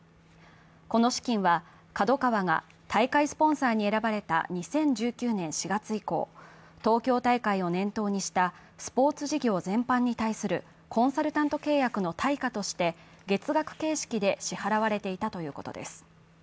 この資金は、ＫＡＤＯＫＡＷＡが大会スポンサーに選ばれた２０１９年４月以降、東京大会を念頭にしたスポーツ事業全般に対するコンサルタント契約の対価として月額形式で支払われていたということです。